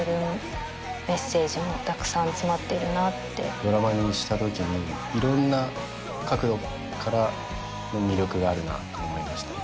ドラマにしたときに色んな角度からの魅力があるなと思いましたね